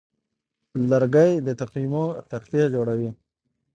لرګی د تقویمو تختې جوړوي.